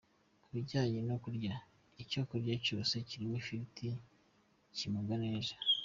Ku bijyanye no kurya, icyo kurya cyose kirimo ifiriti kimugwa neza.